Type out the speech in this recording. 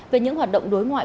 về những hoạt động đối ngoại